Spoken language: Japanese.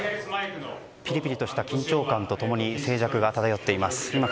ピリピリとした緊張感と共に静寂が漂っています。